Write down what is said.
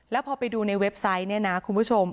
แล้วพอไปดูในเว็บไซต์เนี่ยนะคุณผู้ชม